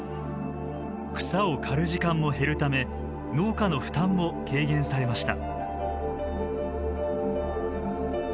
草を刈る時間も減るため農家の負担も軽減されました。